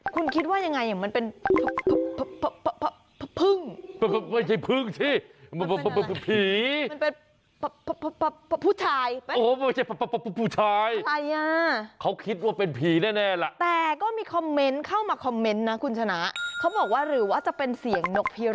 คุณคิดว่ายังไงมันเป็นพึ่ง